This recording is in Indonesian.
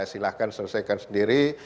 silahkan selesaikan sendiri